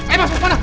eh masuk kemana